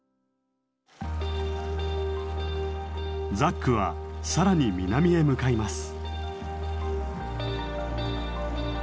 ザックは更に南へ向かいます。